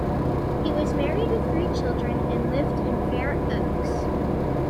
He was married with three children, and lived in Fair Oaks.